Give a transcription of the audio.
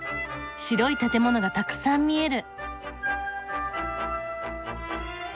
白い建物がたくさん見える。